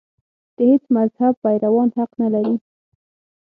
د هېڅ مذهب پیروان حق نه لري.